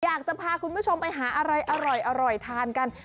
อยากจะพาคุณผู้ชมไปหาอะไรอร่อยทานกัน